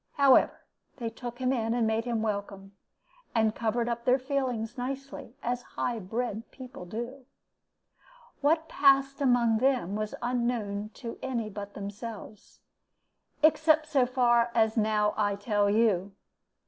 However, they took him in and made him welcome, and covered up their feelings nicely, as high bred people do. "What passed among them was unknown to any but themselves, except so far as now I tell you.